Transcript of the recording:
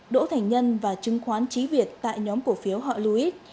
đỗ thành nhân và chứng khoán trí việt tại nhóm cổ phiếu họ luis